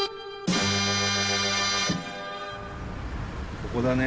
ここだね。